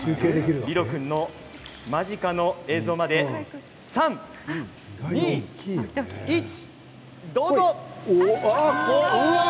リロ君の間近の映像まで３、２、１、どうぞ。